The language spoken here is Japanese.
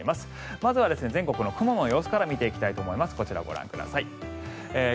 まずは全国の雲の様子から見ていただきます。